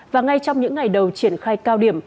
và ngay trong những ngày đầu triển khai cao điểm